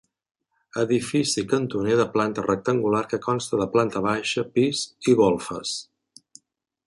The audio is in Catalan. Edifici cantoner de planta rectangular que consta de planta baixa, pis i golfes.